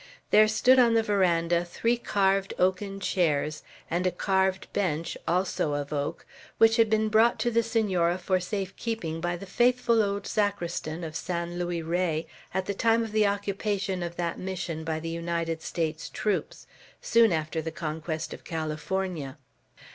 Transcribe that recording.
There stood on the veranda three carved oaken chairs, and a carved bench, also of oak, which had been brought to the Senora for safe keeping by the faithful old sacristan of San Luis Rey, at the time of the occupation of that Mission by the United States troops, soon after the conquest of California.